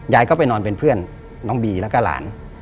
ยายก็ไปนอนเป็นเพื่อนน้องบีแล้วก็หลาน